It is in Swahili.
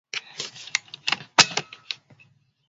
Russia imekanusha kuwalenga raia katika uvamizi wake nchini Ukraine